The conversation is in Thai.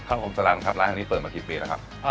ครับผมสลังครับร้านที่นี่เปิดมากี่ปีแล้วครับ